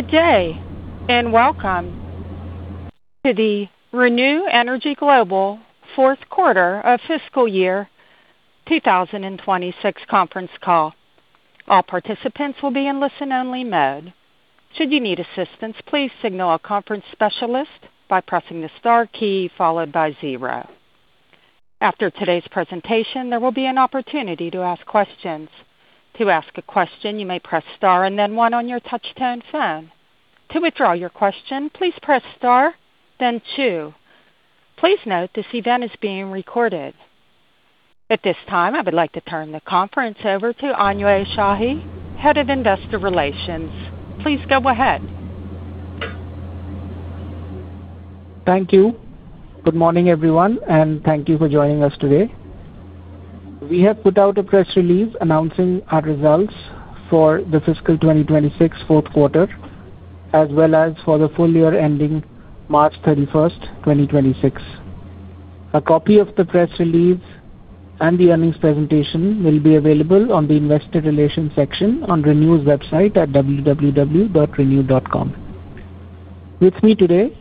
Good day. Welcome to the ReNew Energy Global fourth quarter of fiscal year 2026 conference call. All participants will be in listen-only mode. Should you need assistance, please signal a conference specialist by pressing the star key followed by zero. After today's presentation, there will be an opportunity to ask questions. To ask a question, you may press star and then one on your touch-tone phone. To withdraw your question, please press star, then two. Please note this event is being recorded. At this time, I would like to turn the conference over to Anunay Shahi, Head of Investor Relations. Please go ahead. Thank you. Good morning, everyone, and thank you for joining us today. We have put out a press release announcing our results for the fiscal 2026 fourth quarter, as well as for the full year ending March 31st, 2026. A copy of the press release and the earnings presentation will be available on the Investor Relations section on ReNew's website at www.renew.com. With me today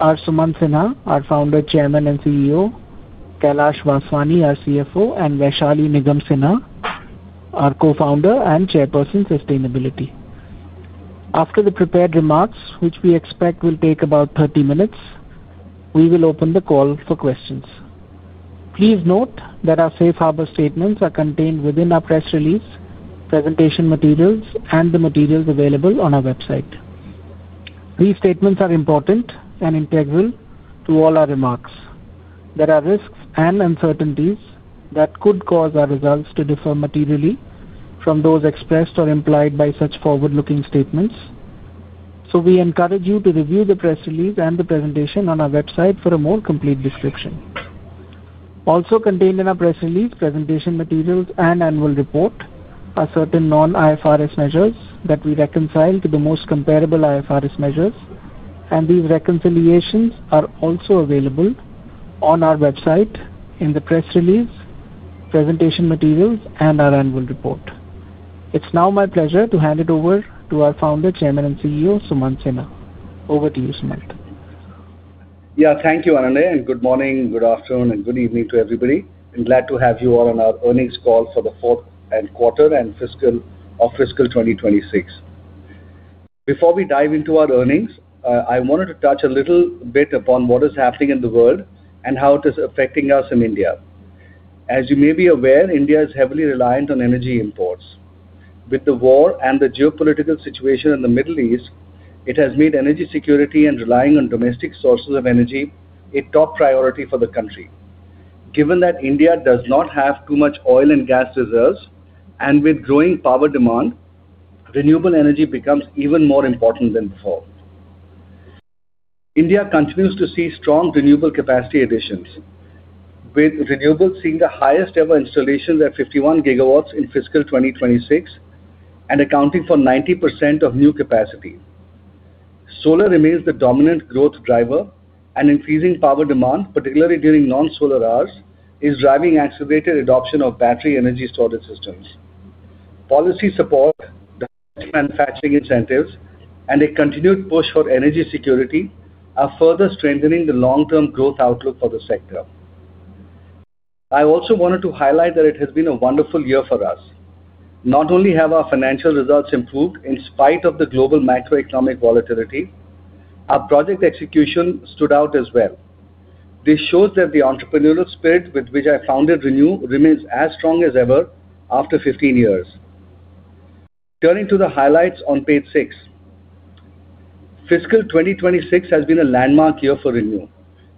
are Sumant Sinha, our Founder, Chairman, and CEO, Kailash Vaswani, our CFO, and Vaishali Nigam Sinha, our Co-Founder and Chairperson, Sustainability. After the prepared remarks, which we expect will take about 30 minutes, we will open the call for questions. Please note that our safe harbor statements are contained within our press release, presentation materials, and the materials available on our website. These statements are important and integral to all our remarks. There are risks and uncertainties that could cause our results to differ materially from those expressed or implied by such forward-looking statements. We encourage you to review the press release and the presentation on our website for a more complete description. Also contained in our press release, presentation materials, and annual report are certain non-IFRS measures that we reconcile to the most comparable IFRS measures, and these reconciliations are also available on our website in the press release, presentation materials, and our annual report. It's now my pleasure to hand it over to our Founder, Chairman, and CEO, Sumant Sinha. Over to you, Sumant. Thank you, Anunay, and good morning, good afternoon, and good evening to everybody. I'm glad to have you all on our earnings call for the fourth quarter and fiscal 2026. Before we dive into our earnings, I wanted to touch a little bit upon what is happening in the world and how it is affecting us in India. As you may be aware, India is heavily reliant on energy imports. With the war and the geopolitical situation in the Middle East, it has made energy security and relying on domestic sources of energy a top priority for the country. Given that India does not have too much oil and gas reserves, and with growing power demand, renewable energy becomes even more important than before. India continues to see strong renewable capacity additions, with renewables seeing the highest ever installations at 51 GW in fiscal 2026 and accounting for 90% of new capacity. Solar remains the dominant growth driver. Increasing power demand, particularly during non-solar hours, is driving accelerated adoption of Battery Energy Storage Systems. Policy support, domestic manufacturing incentives, and a continued push for energy security are further strengthening the long-term growth outlook for the sector. I also wanted to highlight that it has been a wonderful year for us. Not only have our financial results improved in spite of the global macroeconomic volatility, our project execution stood out as well. This shows that the entrepreneurial spirit with which I founded ReNew remains as strong as ever after 15 years. Turning to the highlights on page six. Fiscal 2026 has been a landmark year for ReNew,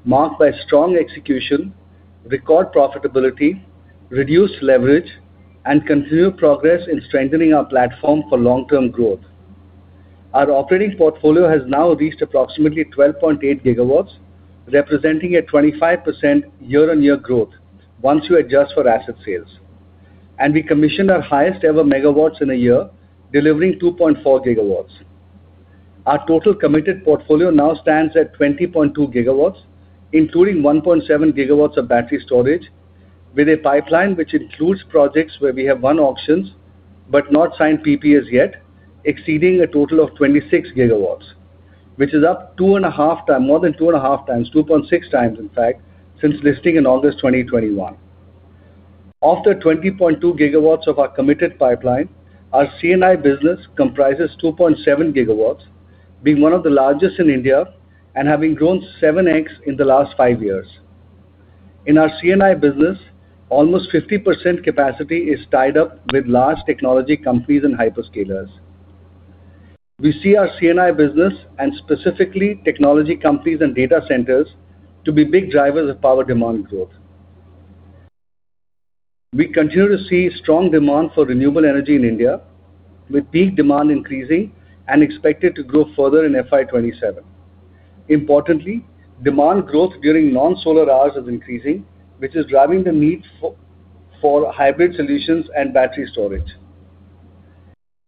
marked by strong execution, record profitability, reduced leverage, and continued progress in strengthening our platform for long-term growth. Our operating portfolio has now reached approximately 12.8 GW, representing a 25% year-on-year growth once you adjust for asset sales. We commissioned our highest ever megawatts in a year, delivering 2.4 GW. Our total committed portfolio now stands at 20.2 GW, including 1.7 GW of battery storage, with a pipeline which includes projects where we have won auctions but not signed PPAs yet, exceeding a total of 26 GW, which is up more than 2.5x-2.6x, in fact, since listing in August 2021. Of the 20.2 GW of our committed pipeline, our C&I business comprises 2.7 GW, being one of the largest in India and having grown 7x in the last five years. In our C&I business, almost 50% capacity is tied up with large technology companies and hyperscalers. We see our C&I business, and specifically technology companies and data centers, to be big drivers of power demand growth. We continue to see strong demand for renewable energy in India, with peak demand increasing and expected to grow further in FY 2027. Importantly, demand growth during non-solar hours is increasing, which is driving the need for hybrid solutions and battery storage.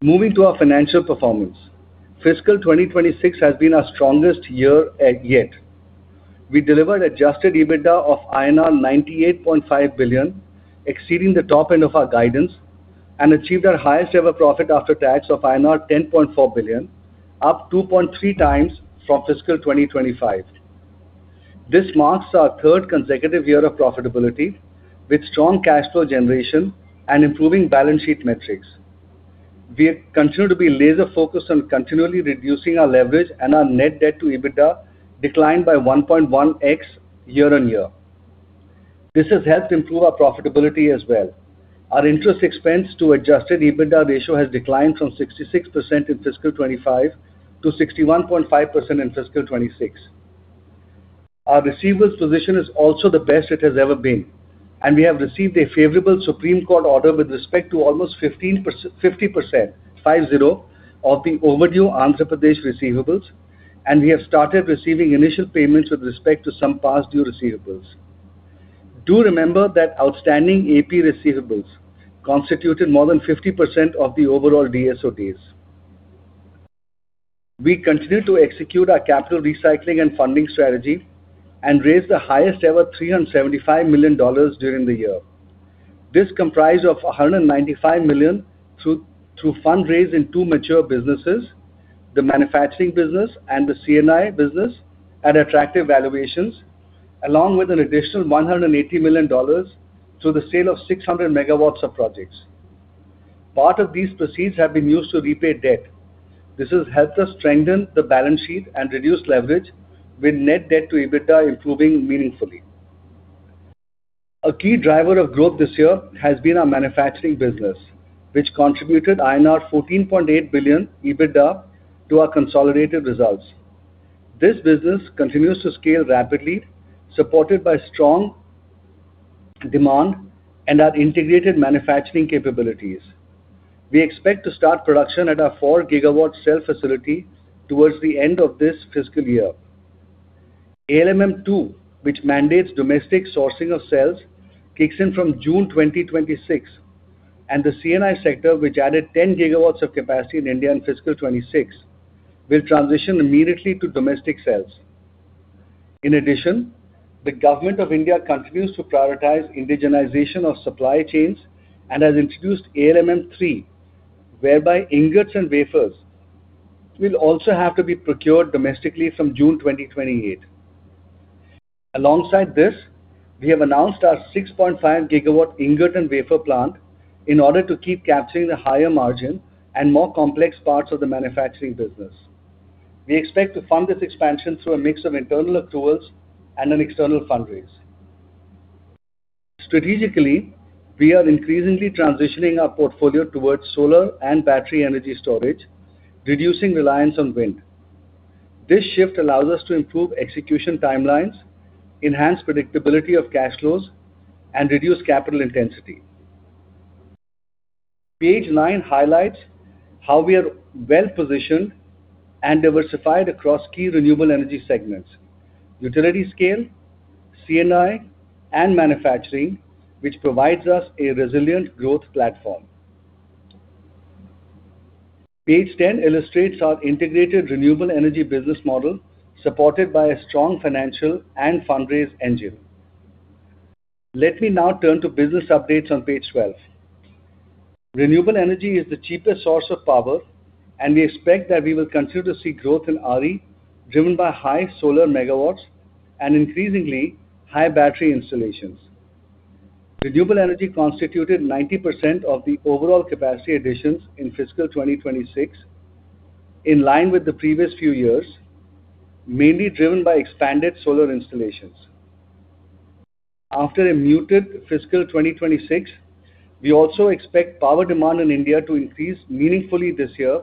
Moving to our financial performance. Fiscal 2026 has been our strongest year yet. We delivered adjusted EBITDA of INR 98.5 billion, exceeding the top end of our guidance, and achieved our highest ever profit after tax of INR 10.4 billion, up 2.3x from fiscal 2025. This marks our third consecutive year of profitability with strong cash flow generation and improving balance sheet metrics. We continue to be laser-focused on continually reducing our leverage and our net debt to EBITDA declined by 1.1x year-on-year. This has helped improve our profitability as well. Our interest expense to adjusted EBITDA ratio has declined from 66% in fiscal 2025 to 61.5% in fiscal 2026. Our receivables position is also the best it has ever been, and we have received a favorable Supreme Court order with respect to almost 50%, five zero, of the overdue Andhra Pradesh receivables, and we have started receiving initial payments with respect to some past due receivables. Do remember that outstanding AP receivables constituted more than 50% of the overall DSOs. We continue to execute our capital recycling and funding strategy and raised the highest ever $375 million during the year. This comprised of $195 million through fundraise in two mature businesses, the manufacturing business and the C&I business at attractive valuations, along with an additional $180 million through the sale of 600 MW of projects. Part of these proceeds have been used to repay debt. This has helped us strengthen the balance sheet and reduce leverage with net debt to EBITDA improving meaningfully. A key driver of growth this year has been our manufacturing business, which contributed INR 14.8 billion EBITDA to our consolidated results. This business continues to scale rapidly, supported by strong demand and our integrated manufacturing capabilities. We expect to start production at our 4 GW cell facility towards the end of this fiscal year. ALMM II, which mandates domestic sourcing of cells, kicks in from June 2026, and the C&I sector, which added 10 GW of capacity in India in fiscal 2026, will transition immediately to domestic cells. In addition, the Government of India continues to prioritize indigenization of supply chains and has introduced ALMM III, whereby ingots and wafers will also have to be procured domestically from June 2028. Alongside this, we have announced our 6.5 GW ingot and wafer plant in order to keep capturing the higher margin and more complex parts of the manufacturing business. We expect to fund this expansion through a mix of internal accruals and an external fundraise. Strategically, we are increasingly transitioning our portfolio towards solar and battery energy storage, reducing reliance on wind. This shift allows us to improve execution timelines, enhance predictability of cash flows, and reduce capital intensity. Page nine highlights how we are well-positioned and diversified across key renewable energy segments, utility scale, C&I, and manufacturing, which provides us a resilient growth platform. Page 10 illustrates our integrated renewable energy business model, supported by a strong financial and fundraise engine. Let me now turn to business updates on page 12. Renewable energy is the cheapest source of power, and we expect that we will continue to see growth in RE, driven by high solar megawatts and, increasingly, high battery installations. Renewable energy constituted 90% of the overall capacity additions in fiscal 2026, in line with the previous few years, mainly driven by expanded solar installations. After a muted fiscal 2026, we also expect power demand in India to increase meaningfully this year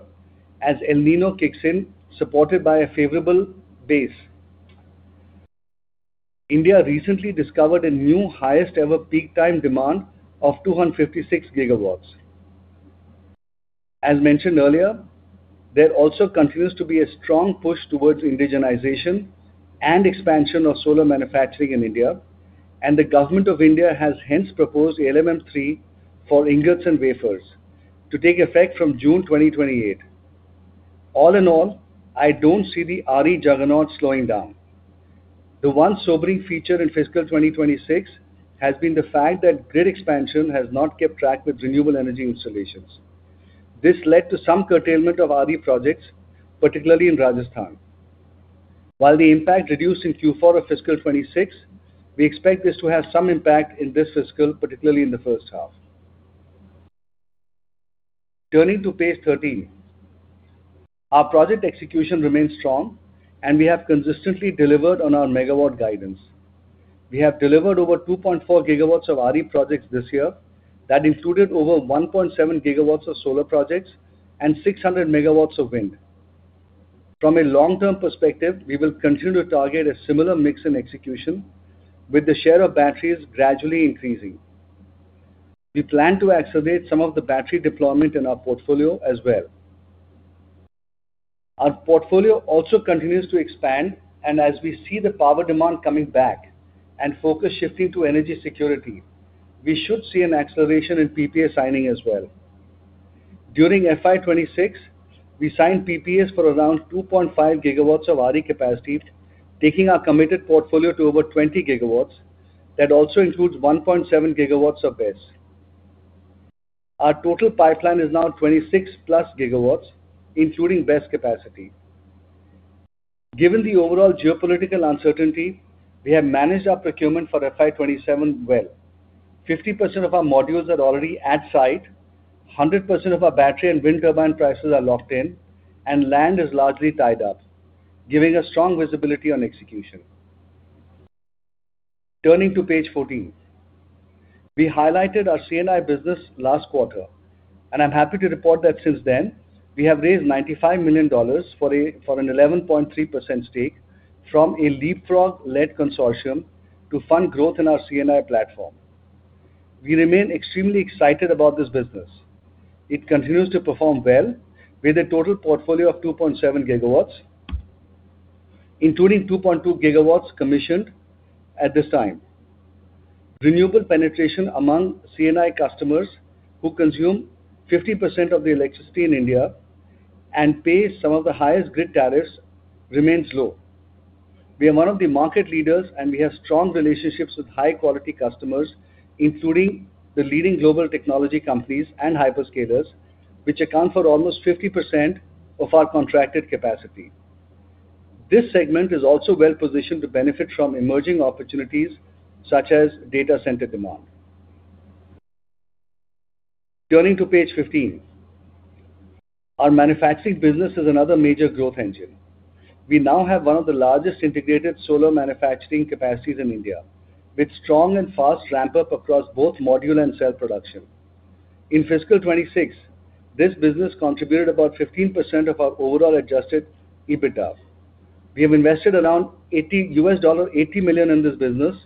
as El Niño kicks in, supported by a favorable base. India recently discovered a new highest-ever peak time demand of 256 GW. As mentioned earlier, there also continues to be a strong push towards indigenization and expansion of solar manufacturing in India, and the Government of India has hence proposed ALMM III for ingots and wafers to take effect from June 2028. All in all, I don't see the RE juggernaut slowing down. The one sobering feature in fiscal 2026 has been the fact that grid expansion has not kept track with renewable energy installations. This led to some curtailment of RE projects, particularly in Rajasthan. While the impact reduced in Q4 of fiscal 2026, we expect this to have some impact in this fiscal, particularly in the first half. Turning to page 13. Our project execution remains strong. We have consistently delivered on our megawatt guidance. We have delivered over 2.4 GW of RE projects this year that included over 1.7 GW of solar projects and 600 MW of wind. From a long-term perspective, we will continue to target a similar mix in execution with the share of batteries gradually increasing. We plan to accelerate some of the battery deployment in our portfolio as well. Our portfolio also continues to expand, and as we see the power demand coming back and focus shifting to energy security, we should see an acceleration in PPA signing as well. During FY 2026, we signed PPAs for around 2.5 GW of RE capacity, taking our committed portfolio to over 20 GW. That also includes 1.7 GW of BESS. Our total pipeline is now 26+ GW, including BESS capacity. Given the overall geopolitical uncertainty, we have managed our procurement for FY 2027 well. 50% of our modules are already at site, 100% of our battery and wind turbine prices are locked in, and land is largely tied up, giving us strong visibility on execution. Turning to page 14. We highlighted our C&I business last quarter. I am happy to report that since then, we have raised $95 million for an 11.3% stake from a LeapFrog-led consortium to fund growth in our C&I platform. We remain extremely excited about this business. It continues to perform well with a total portfolio of 2.7 GW, including 2.2 GW commissioned at this time. Renewable penetration among C&I customers who consume 50% of the electricity in India and pay some of the highest grid tariffs remains low. We are one of the market leaders. We have strong relationships with high quality customers, including the leading global technology companies and hyperscalers, which account for almost 50% of our contracted capacity. This segment is also well-positioned to benefit from emerging opportunities, such as data center demand. Turning to page 15. Our manufacturing business is another major growth engine. We now have one of the largest integrated solar manufacturing capacities in India, with strong and fast ramp-up across both module and cell production. In FY 2026, this business contributed about 15% of our overall adjusted EBITDA. We have invested around $80 million in this business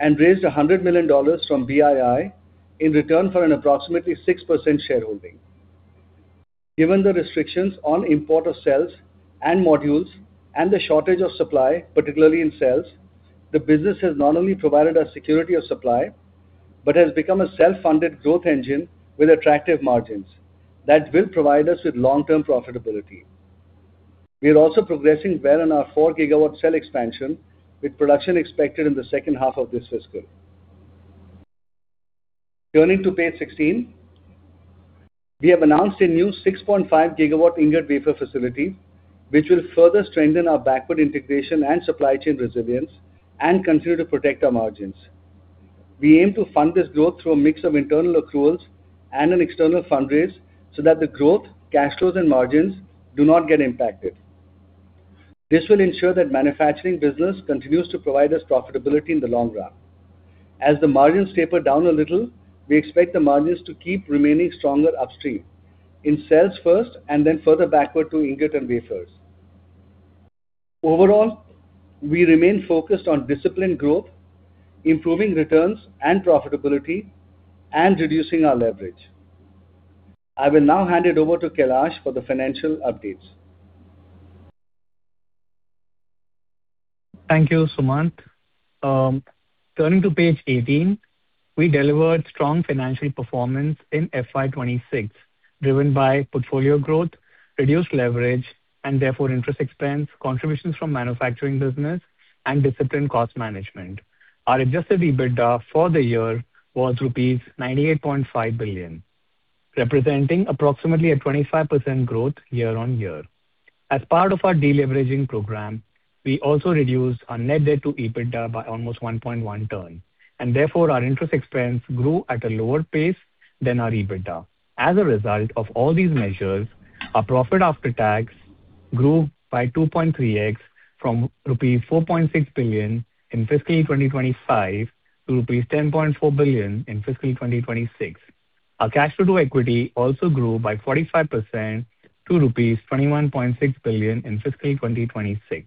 and raised $100 million from BII in return for an approximately 6% shareholding. Given the restrictions on import of cells and modules and the shortage of supply, particularly in cells, the business has not only provided us security of supply, but has become a self-funded growth engine with attractive margins that will provide us with long-term profitability. We are also progressing well on our 4 GW cell expansion, with production expected in the second half of this fiscal. Turning to page 16. We have announced a new 6.5 GW ingot wafer facility, which will further strengthen our backward integration and supply chain resilience and continue to protect our margins. We aim to fund this growth through a mix of internal accruals and an external fundraise so that the growth, cash flows, and margins do not get impacted. This will ensure that manufacturing business continues to provide us profitability in the long run. As the margins taper down a little, we expect the margins to keep remaining stronger upstream in cells first and then further backward to ingot and wafers. Overall, we remain focused on disciplined growth, improving returns and profitability, and reducing our leverage. I will now hand it over to Kailash for the financial updates. Thank you, Sumant. Turning to page 18. We delivered strong financial performance in FY 2026, driven by portfolio growth, reduced leverage and therefore interest expense, contributions from manufacturing business, and disciplined cost management. Our adjusted EBITDA for the year was rupees 98.5 billion, representing approximately a 25% growth year-on-year. As part of our deleveraging program, we also reduced our net debt to EBITDA by almost 1.1x turn, and therefore, our interest expense grew at a lower pace than our EBITDA. As a result of all these measures, our profit after tax grew by 2.3x from rupees 4.6 billion in fiscal 2025 to rupees 10.4 billion in fiscal 2026. Our cash flow to equity also grew by 45% to rupees 21.6 billion in fiscal 2026.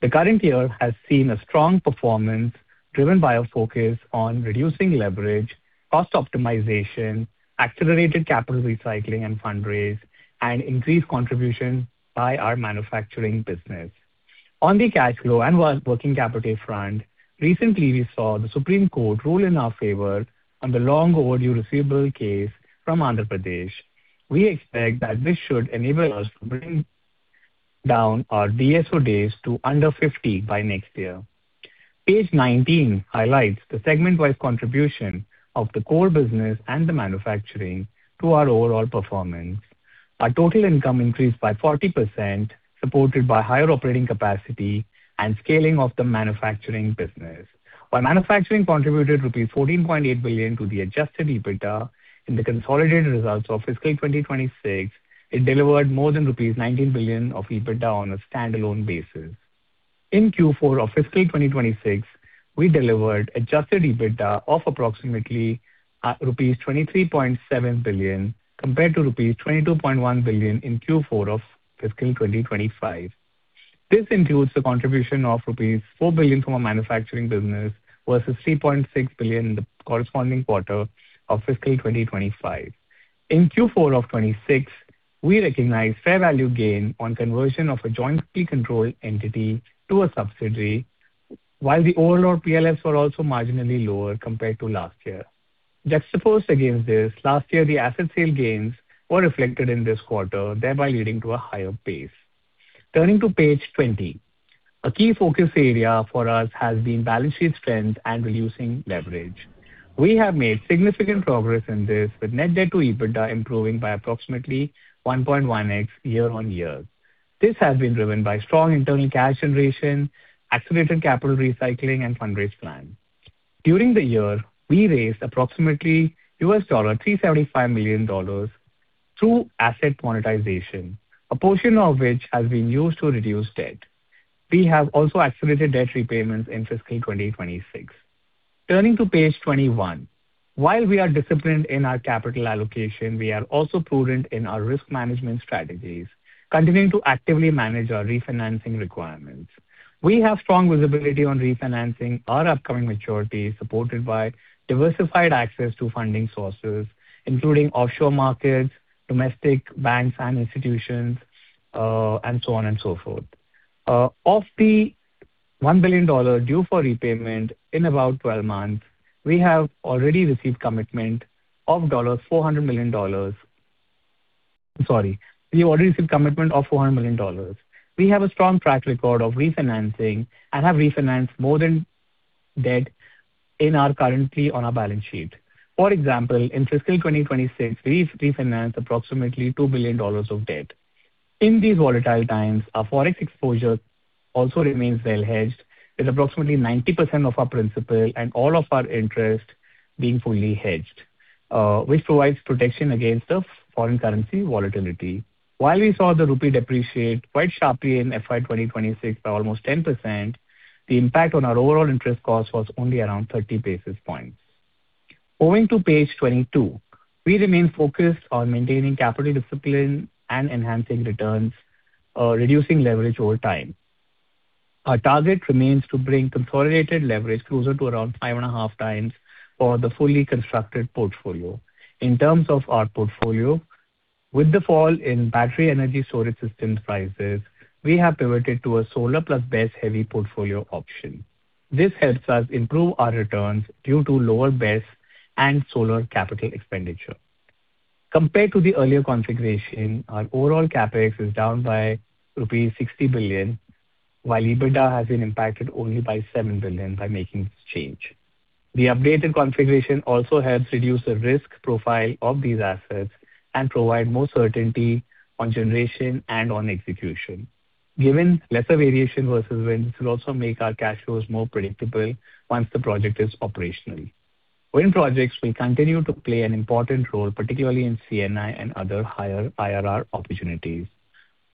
The current year has seen a strong performance driven by a focus on reducing leverage, cost optimization, accelerated capital recycling and fundraise, and increased contribution by our manufacturing business. On the cash flow and working capital front, recently we saw the Supreme Court rule in our favor on the long-overdue receivable case from Andhra Pradesh. We expect that this should enable us to bring down our DSO days to under 50 by next year. Page 19 highlights the segment-wide contribution of the core business and the manufacturing to our overall performance. Our total income increased by 40%, supported by higher operating capacity and scaling of the manufacturing business. While manufacturing contributed rupees 14.8 billion to the adjusted EBITDA in the consolidated results of fiscal 2026, it delivered more than rupees 19 billion of EBITDA on a standalone basis. In Q4 of fiscal 2026, we delivered adjusted EBITDA of approximately rupees 23.7 billion compared to rupees 22.1 billion in Q4 of fiscal 2025. This includes the contribution of rupees 4 billion from our manufacturing business versus 3.6 billion in the corresponding quarter of fiscal 2025. In Q4 of 2026, we recognize fair value gain on conversion of a jointly controlled entity to a subsidiary, while the overall PLFs were also marginally lower compared to last year. Juxtaposed against this, last year the asset sale gains were reflected in this quarter, thereby leading to a higher pace. Turning to page 20. A key focus area for us has been balance sheet strength and reducing leverage. We have made significant progress in this, with net debt to EBITDA improving by approximately 1.1x year-on-year. This has been driven by strong internal cash generation, accelerated capital recycling and fundraise plan. During the year, we raised approximately $375 million through asset monetization, a portion of which has been used to reduce debt. We have also accelerated debt repayments in fiscal 2026. Turning to page 21. While we are disciplined in our capital allocation, we are also prudent in our risk management strategies, continuing to actively manage our refinancing requirements. We have strong visibility on refinancing our upcoming maturities, supported by diversified access to funding sources, including offshore markets, domestic banks and institutions, and so on and so forth. Of the $1 billion due for repayment in about 12 months, we have already received commitment of $400 million, I'm sorry. We have already received commitment of $400 million. We have a strong track record of refinancing and have refinanced more debt than our currently on our balance sheet. For example, in fiscal 2026, we've refinanced approximately $2 billion of debt. In these volatile times, our forex exposure also remains well hedged, with approximately 90% of our principal and all of our interest being fully hedged, which provides protection against the foreign currency volatility. While we saw the rupee depreciate quite sharply in FY 2026 by almost 10%, the impact on our overall interest cost was only around 30 basis points. Moving to page 22. We remain focused on maintaining capital discipline and enhancing returns, reducing leverage over time. Our target remains to bring consolidated leverage closer to around 5.5x for the fully constructed portfolio. In terms of our portfolio, with the fall in battery energy storage system prices, we have pivoted to a solar plus BESS heavy portfolio option. This helps us improve our returns due to lower BESS and solar capital expenditure. Compared to the earlier configuration, our overall CapEx is down by rupees 60 billion, while EBITDA has been impacted only by 7 billion by making this change. The updated configuration also helps reduce the risk profile of these assets and provide more certainty on generation and on execution. Given lesser variation versus wind, this will also make our cash flows more predictable once the project is operational. Wind projects will continue to play an important role, particularly in C&I and other higher IRR opportunities.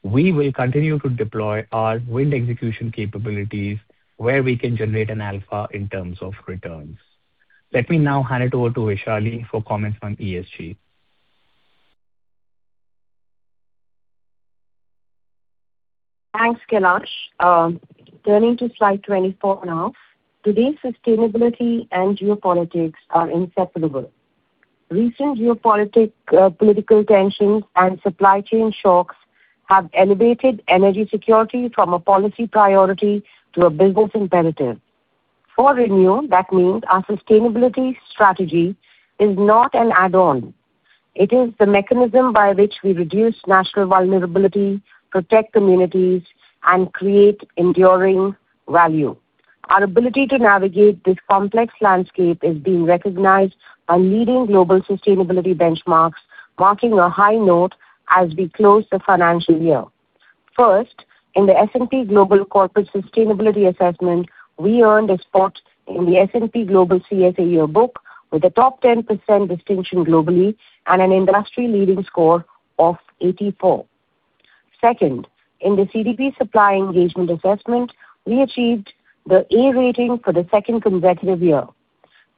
We will continue to deploy our wind execution capabilities where we can generate an alpha in terms of returns. Let me now hand it over to Vaishali for comments on ESG. Thanks, Kailash. Turning to slide 24 now. Today, sustainability and geopolitics are inseparable. Recent political tensions and supply chain shocks have elevated energy security from a policy priority to a business imperative. For ReNew, that means our sustainability strategy is not an add-on. It is the mechanism by which we reduce national vulnerability, protect communities, and create enduring value. Our ability to navigate this complex landscape is being recognized by leading global sustainability benchmarks, marking a high note as we close the financial year. First, in the S&P Global Corporate Sustainability Assessment, we earned a spot in the S&P Global CSA Yearbook with a top 10% distinction globally and an industry-leading score of 84. Second, in the CDP Supplier Engagement Assessment, we achieved the A rating for the second consecutive year.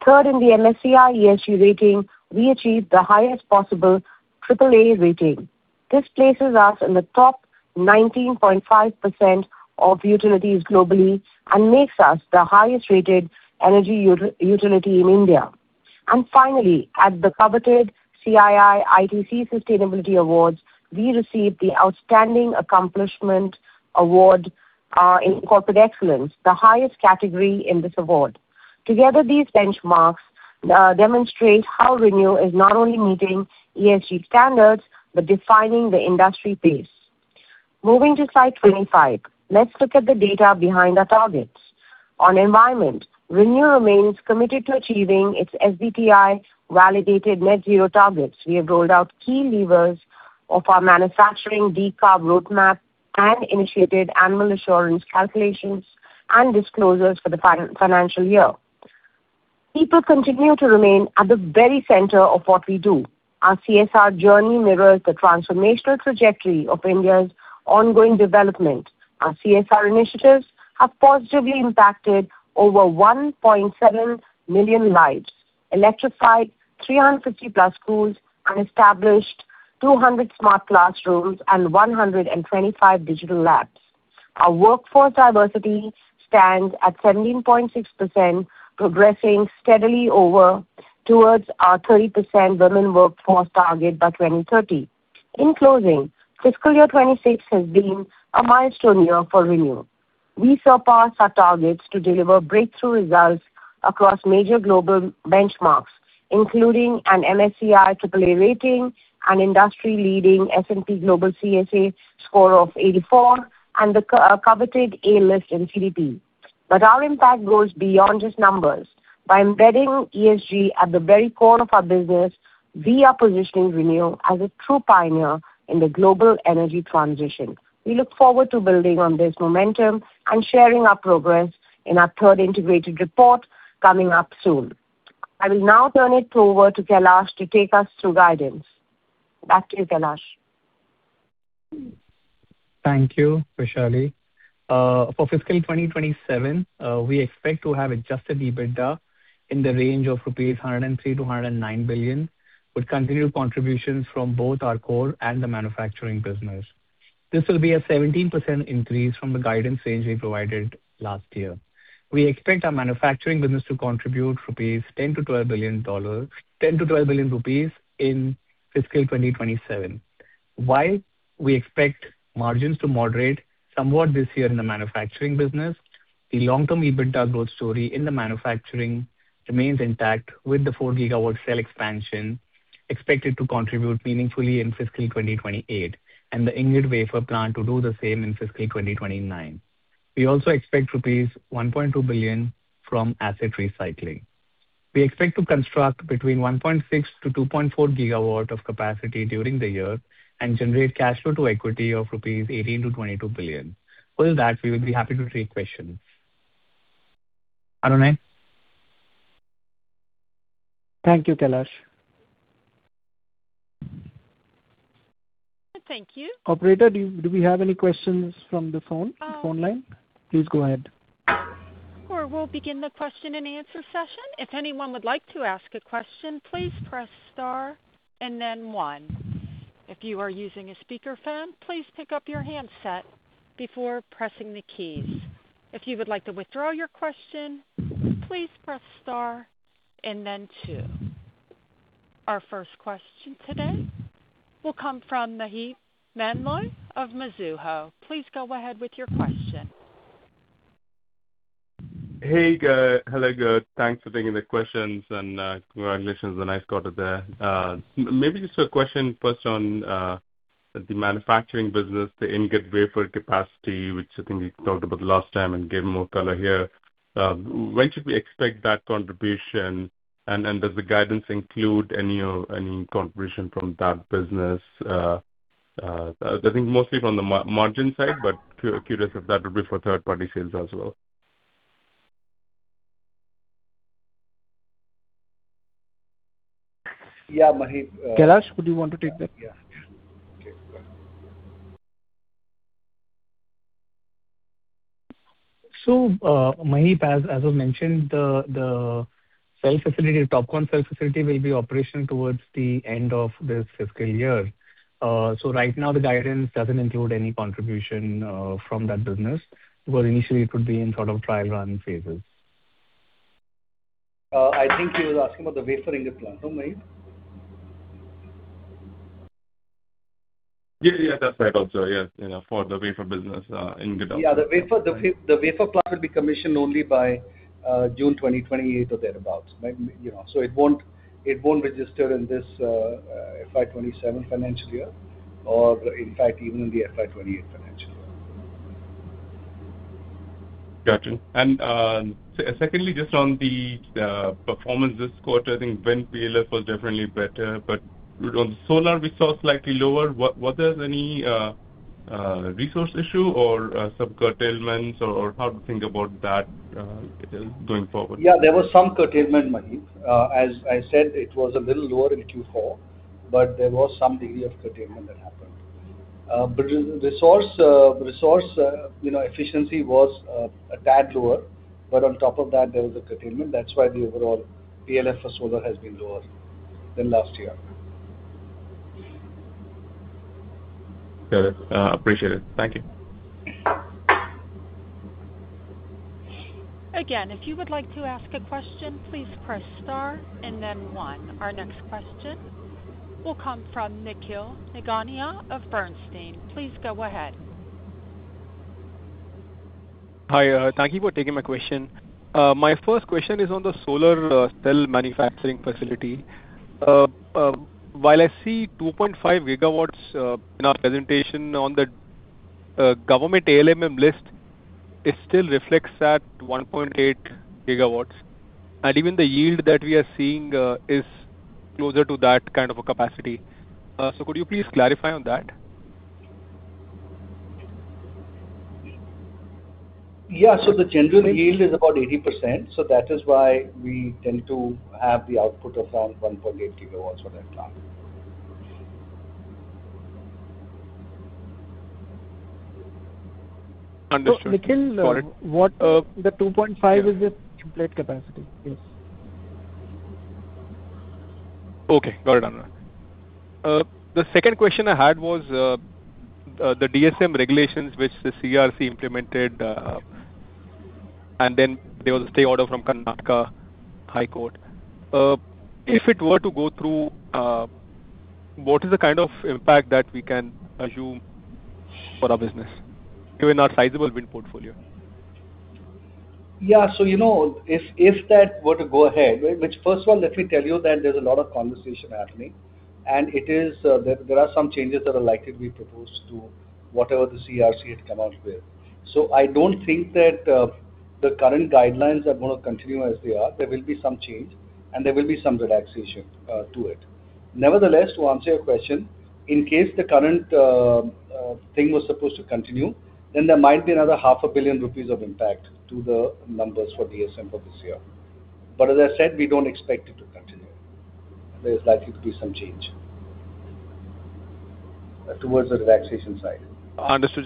Third, in the MSCI ESG rating, we achieved the highest possible AAA rating. This places us in the top 19.5% of utilities globally and makes us the highest-rated energy utility in India. Finally, at the coveted CII-ITC Sustainability Awards, we received the Outstanding Accomplishment Award in Corporate Excellence, the highest category in this award. Together, these benchmarks demonstrate how ReNew is not only meeting ESG standards, but defining the industry pace. Moving to slide 25. Let's look at the data behind our targets. On environment, ReNew remains committed to achieving its SBTi validated net zero targets. We have rolled out key levers of our manufacturing decarb roadmap and initiated annual assurance calculations and disclosures for the financial year. People continue to remain at the very center of what we do. Our CSR journey mirrors the transformational trajectory of India's ongoing development. Our CSR initiatives have positively impacted over 1.7 million lives, electrified 350+ schools, and established 200 smart classrooms and 125 digital labs. Our workforce diversity stands at 17.6%, progressing steadily over towards our 30% women workforce target by 2030. In closing, fiscal year 2026 has been a milestone year for ReNew. We surpassed our targets to deliver breakthrough results across major global benchmarks, including an MSCI AAA rating, an industry-leading S&P Global CSA score of 84, and the coveted A list in CDP. Our impact goes beyond just numbers. By embedding ESG at the very core of our business, we are positioning ReNew as a true pioneer in the global energy transition. We look forward to building on this momentum and sharing our progress in our third integrated report coming up soon. I will now turn it over to Kailash to take us through guidance. Back to you, Kailash. Thank you, Vaishali. For fiscal 2027, we expect to have adjusted EBITDA in the range of 103 billion-109 billion rupees, with continued contributions from both our core and the manufacturing business. This will be a 17% increase from the guidance range we provided last year. We expect our manufacturing business to contribute 10 billion-12 billion rupees in fiscal 2027. While we expect margins to moderate somewhat this year in the manufacturing business, the long-term EBITDA growth story in the manufacturing remains intact, with the 4 GW cell expansion expected to contribute meaningfully in fiscal 2028, and the ingot wafer plant to do the same in fiscal 2029. We also expect rupees 1.2 billion from asset recycling. We expect to construct between 1.6 GW-2.4 GW of capacity during the year and generate cash flow to equity of 18 billion-22 billion rupees. With that, we will be happy to take questions. Anunay? Thank you, Kailash. Thank you. Operator, do we have any questions from the phone line? Please go ahead. Sure. We'll begin the question and answer session. If anyone would like to ask a question, please press star and then one. If you are using a speakerphone, please pick up your handset before pressing the keys. If you would like to withdraw your question, please press star and then two. Our first question today will come from Maheep Mandloi of Mizuho. Please go ahead with your question. Hey, hello, guys. Thanks for taking the questions, and congratulations on the nice quarter there. Maybe just a question first on the manufacturing business, the ingot wafer capacity, which I think we talked about last time and gave more color here. When should we expect that contribution? Does the guidance include any contribution from that business? I think mostly from the margin side, but curious if that would be for third-party sales as well. Yeah, Maheep. Kailash, would you want to take that? Yeah. Okay, go ahead. Maheep, as I mentioned, the cell facility, TOPCon cell facility will be operational towards the end of this fiscal year. Right now the guidance doesn't include any contribution from that business, because initially it would be in sort of trial run phases. I think he was asking about the wafer ingot plant. No, Maheep? Yeah, yeah, that's right also. Yes, you know, for the wafer business. Yeah, the wafer plant will be commissioned only by June 2028 or thereabout. Like, you know, it won't register in this FY 2027 financial year or in fact, even in the FY 2028 financial year. Got you. Secondly, just on the performance this quarter, I think wind PLF was definitely better, but on solar we saw slightly lower. Was there any resource issue or some curtailments or how to think about that going forward? There was some curtailment, Maheep. As I said, it was a little lower in Q4, but there was some degree of curtailment that happened. Resource, you know, efficiency was a tad lower, but on top of that, there was a curtailment. That's why the overall PLF for solar has been lower than last year. Got it. Appreciate it. Thank you. Again, if you would like to ask a question, please press star and then one. Our next question will come from Nikhil Nigania of Bernstein. Please go ahead. Hi. Thank you for taking my question. My first question is on the solar cell manufacturing facility. While I see 2.5 GW in our presentation on the government ALMM list, it still reflects at 1.8 GW. Even the yield that we are seeing is closer to that kind of a capacity. Could you please clarify on that? Yeah. The general yield is about 80%, so that is why we tend to have the output of around 1.8 GW at that time. Understood. Got it. Nikhil. The 2.5 GW is the template capacity. Yes. Okay, got it. The second question I had was the DSM regulations which the CERC implemented, and then there was a stay order from Karnataka High Court. If it were to go through, what is the kind of impact that we can assume for our business, given our sizable wind portfolio? Yeah. You know, if that were to go ahead, which first of all, let me tell you that there's a lot of conversation happening, and it is, there are some changes that are likely to be proposed to whatever the CERC had come out with. I don't think that the current guidelines are gonna continue as they are. There will be some change, and there will be some relaxation to it. Nevertheless, to answer your question, in case the current thing was supposed to continue, then there might be another 500 million rupees of impact to the numbers for DSM for this year. As I said, we don't expect it to continue. There's likely to be some change towards the relaxation side. Understood.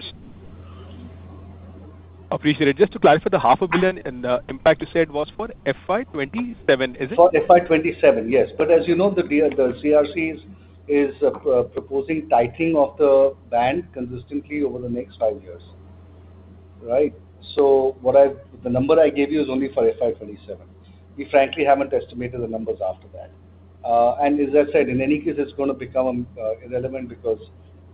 Appreciate it. Just to clarify, the 500 million in the impact you said was for FY 2027, is it? For FY 2027, yes. As you know, the CERC is proposing tightening of the band consistently over the next five years, right? The number I gave you is only for FY 2027. We frankly haven't estimated the numbers after that. As I said, in any case, it's gonna become irrelevant because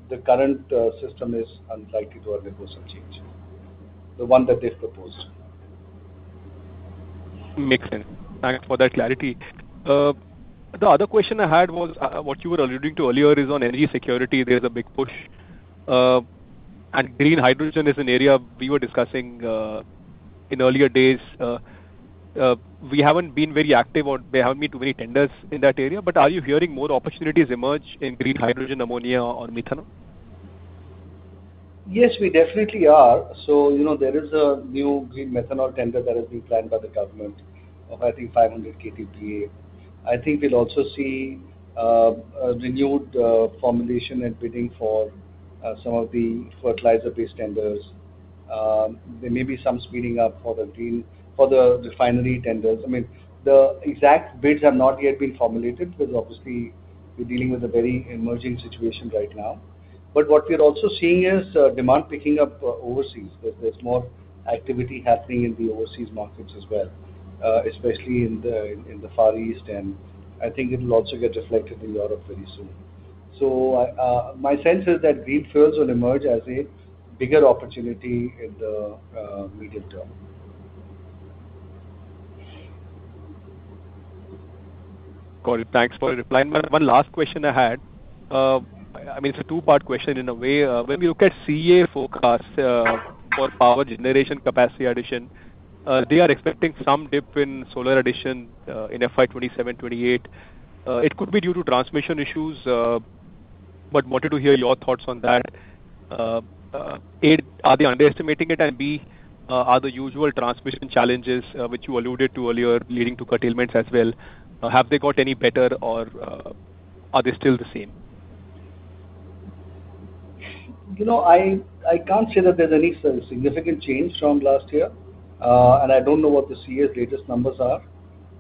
the current system is unlikely to undergo some change, the one that they've proposed. Makes sense. Thanks for that clarity. The other question I had was, what you were alluding to earlier is on energy security. There's a big push. Green hydrogen is an area we were discussing in earlier days. We haven't been very active on there haven't been too many tenders in that area. Are you hearing more opportunities emerge in green hydrogen, ammonia or methanol? Yes, we definitely are. You know, there is a new green methanol tender that has been planned by the Government of India, I think, 500 KTPA. I think we'll also see a renewed formulation and bidding for some of the fertilizer-based tenders. There may be some speeding up for the refinery tenders. I mean, the exact bids have not yet been formulated because obviously we're dealing with a very emerging situation right now. What we're also seeing is demand picking up overseas. There's more activity happening in the overseas markets as well, especially in the Far East, and I think it'll also get reflected in Europe very soon. I, my sense is that green fuels will emerge as a bigger opportunity in the medium term. Got it. Thanks for replying. One last question I had. I mean, it's a two-part question in a way. When we look at CEA forecast for power generation capacity addition, they are expecting some dip in solar addition in FY 2027-2028. It could be due to transmission issues, but wanted to hear your thoughts on that. A, are they underestimating it? B, are the usual transmission challenges which you alluded to earlier leading to curtailments as well, have they got any better or are they still the same? You know, I can't say that there's any significant change from last year. I don't know what the CEA's latest numbers are.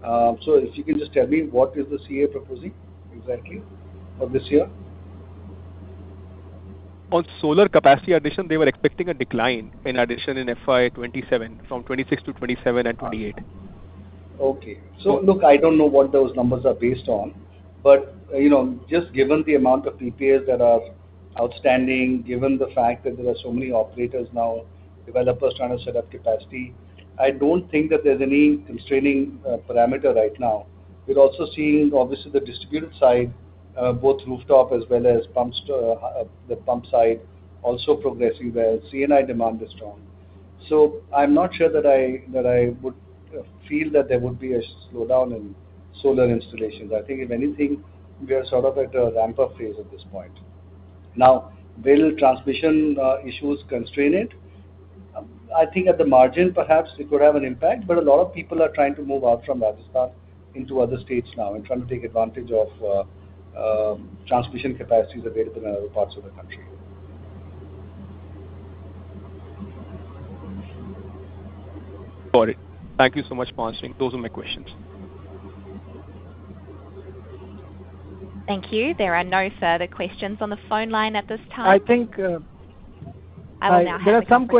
If you can just tell me what is the CEA proposing exactly for this year. On solar capacity addition, they were expecting a decline in addition in FY 2027 from 2026 to 2027 and 2028. Okay. look, I don't know what those numbers are based on, but, you know, just given the amount of PPAs that are outstanding, given the fact that there are so many operators now, developers trying to set up capacity, I don't think that there's any constraining parameter right now. We're also seeing, obviously, the distributed side, both rooftop as well as pumps, the pump side also progressing well. C&I demand is strong. I'm not sure that I would feel that there would be a slowdown in solar installations. I think if anything, we are sort of at a ramp-up phase at this point. Will transmission issues constrain it? I think at the margin, perhaps it could have an impact, but a lot of people are trying to move out from Rajasthan into other states now and trying to take advantage of transmission capacities available in other parts of the country. Got it. Thank you so much for answering. Those are my questions. Thank you. There are no further questions on the phone line at this time. I think- I will now hand over to the webcast. There are some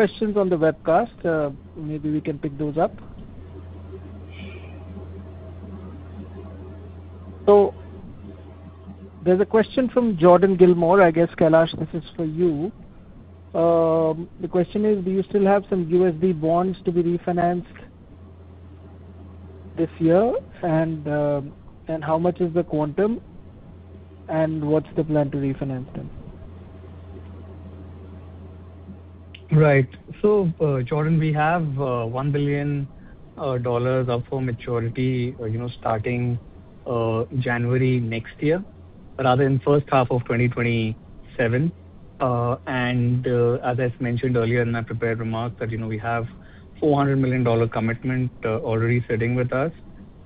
questions on the webcast. Maybe we can pick those up. There's a question from [Jordan Gilmore]. I guess, Kailash, this is for you. The question is: Do you still have some USD bonds to be refinanced this year? How much is the quantum? What's the plan to refinance them? Right. Jordan, we have $1 billion up for maturity, you know, starting January next year, rather in first half of 2027. As I mentioned earlier in my prepared remarks that, you know, we have $400 million commitment already sitting with us.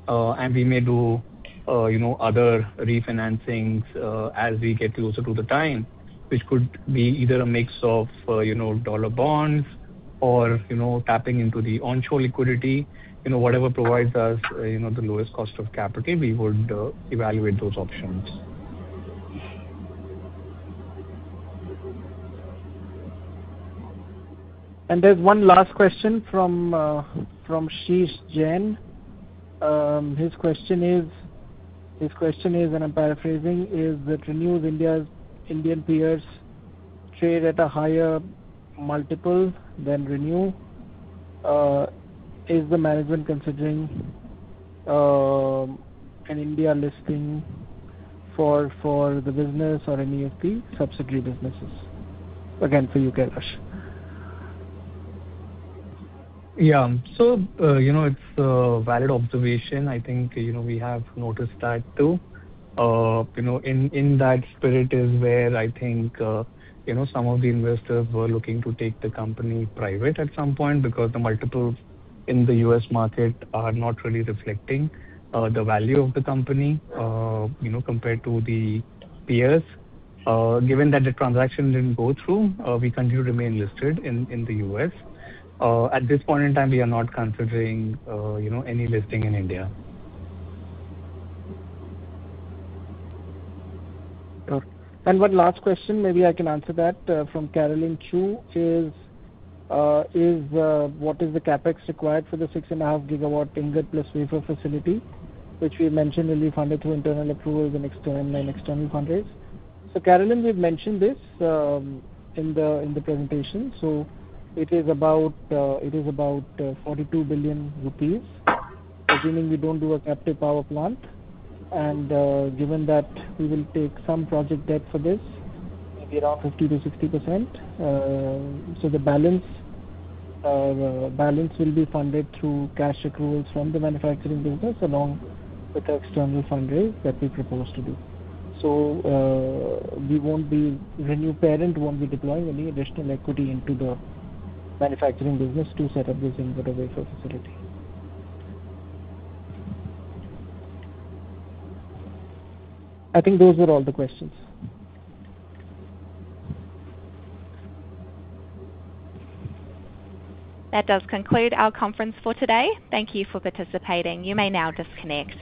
We may do, you know, other refinancings, as we get closer to the time, which could be either a mix of, you know, dollar bonds or, you know, tapping into the onshore liquidity. You know, whatever provides us, you know, the lowest cost of capital, we would evaluate those options. There's one last question from [Shishir Jain]. His question is, and I'm paraphrasing, is that ReNew India's Indian peers trade at a higher multiple than ReNew. Is the management considering an India listing for the business or any of the subsidiary businesses? Again, for you, Kailash. Yeah. You know, it's a valid observation. I think, you know, we have noticed that too. You know, in that spirit is where I think, you know, some of the investors were looking to take the company private at some point because the multiples in the U.S. market are not really reflecting, you know, the value of the company, you know, compared to the peers. Given that the transaction didn't go through, we continue to remain listed in the U.S. At this point in time, we are not considering, you know, any listing in India. Got it. One last question, maybe I can answer that, from [Carolyn Chu], is what is the CapEx required for the 6.5 GW ingot plus wafer facility, which we mentioned will be funded through internal accruals and external fundraise. Carolyn, we've mentioned this in the presentation. It is about 42 billion rupees, assuming we don't do a captive power plant. Given that we will take some project debt for this, maybe around 50%-60%. The balance will be funded through cash accruals from the manufacturing business along with the external fundraise that we propose to do. ReNew parent won't be deploying any additional equity into the manufacturing business to set up this ingot or wafer facility. I think those were all the questions. That does conclude our conference for today. Thank you for participating. You may now disconnect.